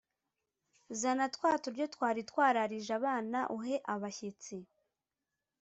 zana twa turyo twari twararije abana uhe abashyitsi.